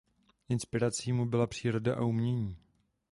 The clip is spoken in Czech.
Inspirací mu byla příroda a umění.